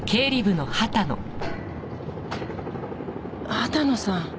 畑野さん。